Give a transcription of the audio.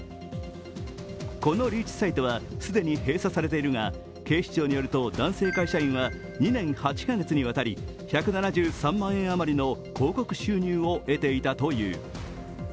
このリーチサイトは既に閉鎖されているが、警視庁によると男性会社員は２年８カ月にわたり１７３万円余りの広告収入を得ていたという。